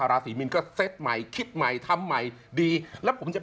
นั่นไม่ใช่คนให้มาใครด่าง่าย